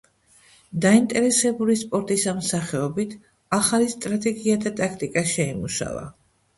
დაინტერესებული სპორტის ამ სახეობით, ახალი სტრატეგია და ტაქტიკა შეიმუშავა.